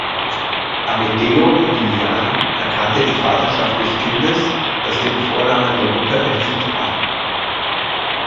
Amedeo Modigliani erkannte die Vaterschaft des Kindes, das den Vornamen der Mutter erhielt, an.